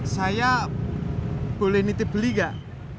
saya boleh nitip beli gak